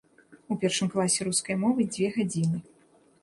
У першым класе рускай мовы дзве гадзіны.